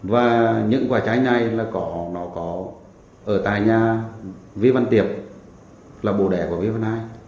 và những quả trái này là nó có ở tại nhà vi văn tiệp là bồ đẻ của vi văn hai